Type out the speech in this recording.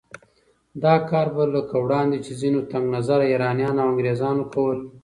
دا کار به لکه وړاندې چې ځينو تنګ نظره ایرانیانو او انګریزانو کول